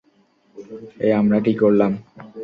এ আমরা কী করলাম?